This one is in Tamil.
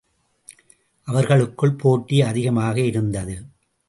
அவர்களுக்குள் போட்டி அதிகமாக இருந்தது.